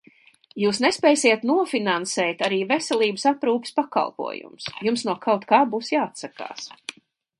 Jūs nespēsiet nofinansēt arī veselības aprūpes pakalpojumus, jums no kaut kā būs jāatsakās.